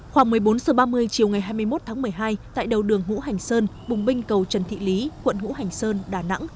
khoảng một mươi bốn h ba mươi chiều ngày hai mươi một tháng một mươi hai tại đầu đường hữu hành sơn bùng binh cầu trần thị lý quận hữu hành sơn đà nẵng